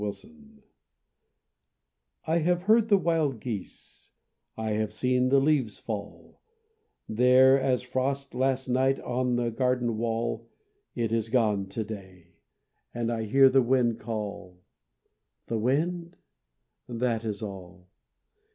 OLD AGE I have heard the wild geese, I have seen the leaves fall, There was frost last night On the garden wall. It is gone to day And I hear the wind call. The wind?... that is all.